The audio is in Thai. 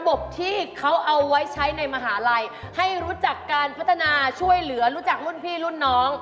เบิร์ตนั้นมันโลตัสที่ไก่พูด